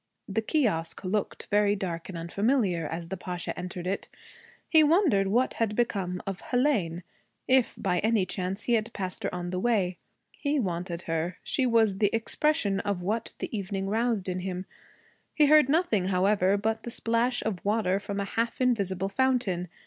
The kiosque looked very dark and unfamiliar as the Pasha entered it. He wondered what had become of Hélène if by any chance he had passed her on the way. He wanted her. She was the expression of what the evening roused in him. He heard nothing, however, but the splash of water from a half invisible fountain.